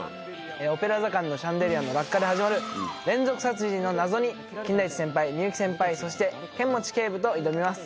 オペラ座館のシャンデリアの落下で始まる連続殺人の謎に金田一先輩美雪先輩そして剣持警部と挑みます。